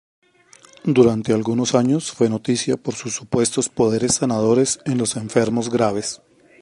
Durante algunos años fue noticia por sus supuestos poderes sanadores en los enfermos graves.